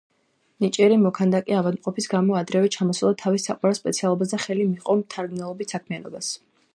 ნიჭიერი მოქანდაკე ავადმყოფობის გამო ადრევე ჩამოსცილდა თავის საყვარელ სპეციალობას და ხელი მიჰყო მთარგმნელობით საქმიანობას.